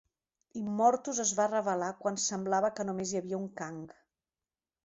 Immortus es va revelar quan semblava que només hi havia un Kang.